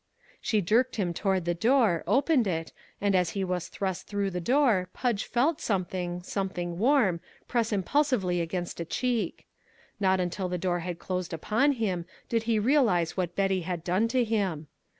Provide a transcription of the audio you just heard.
She jerked him toward the door, opened it, and as he was thrust through the door Pudge felt something, something warm, press impulsively against a cheek. Not until the door had closed upon him did he realize what Betty had done to him.